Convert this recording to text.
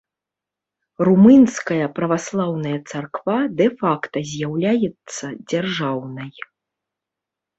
Румынская праваслаўная царква дэ-факта з'яўляецца дзяржаўнай.